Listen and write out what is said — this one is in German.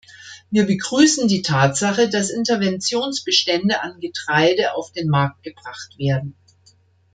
Wir begrüßen die Tatsache, dass Interventionsbestände an Getreide auf den Markt gebracht werden.